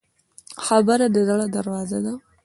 خبره د زړه دروازه ده.